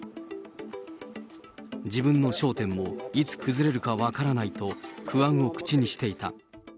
自分の商店もいつ崩れるか分からないと、不安を口にしていた。